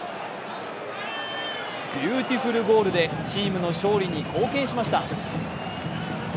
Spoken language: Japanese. ビューティフルゴールでチームの勝利に貢献しました。